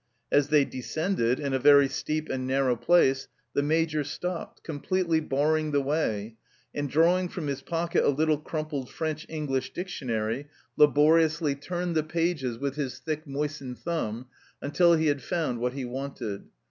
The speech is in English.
As they descended, in a very steep and narrow place, the Major stopped, completely barring the way, and drawing from his pocket a little crumpled French English dictionary, labori 88 THE CELLAR HOUSE OF PERVYSE ously turned the pages with his thick moistened thumb until he had found what he wanted.